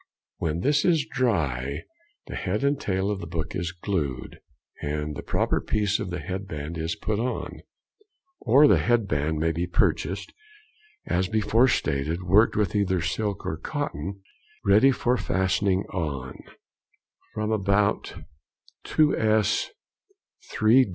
When this is dry, the head and tail of the book is glued and the proper piece of the head band is put on. Or the head band may be purchased, as before stated, worked with either silk or cotton ready for fastening on, from about 2_s._ 3_d.